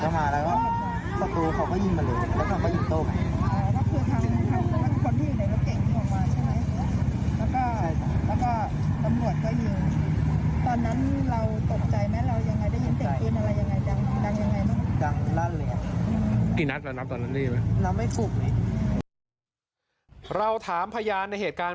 ตอนตอนตอนนั้นเราเห็นอะไรบ้างเหมือนกันเห็นทุกอย่าง